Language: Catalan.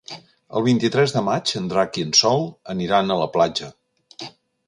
El vint-i-tres de maig en Drac i en Sol aniran a la platja.